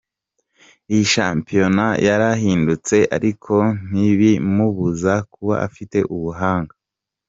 "Iyi shampiyona yarahindutse ariko ntibimubuza kuba afite ubuhanga.